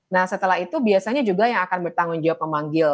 nah setelah itu biasanya juga yang akan bertanggung jawab memanggil